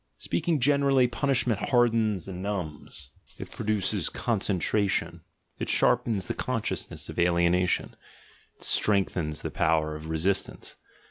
Speaking generally, punish ment hardens and numbs, it produces concentration, it sharpens the consciousness of alienation, it strengthens the power of resistance.